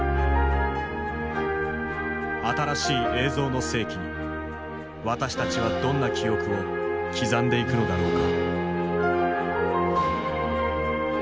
新しい映像の世紀に私たちはどんな記憶を刻んでいくのだろうか。